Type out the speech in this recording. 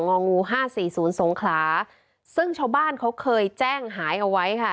องูห้าสี่ศูนย์สงขลาซึ่งชาวบ้านเขาเคยแจ้งหายเอาไว้ค่ะ